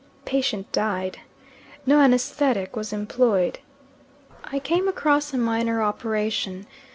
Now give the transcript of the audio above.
Patient died. No anaesthetic was employed. I came across a minor operation.